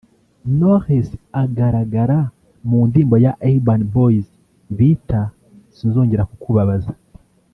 Knowless agaragara mu ndirimbo ya Urban Boys biita “Sinzongera kukubabaza”